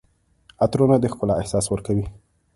عطرونه د ښکلا احساس ورکوي.